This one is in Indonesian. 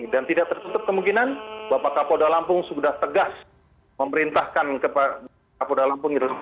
dan tidak tertutup kemungkinan bapak kapolita lampung sudah tegas memerintahkan bapak kapolita lampung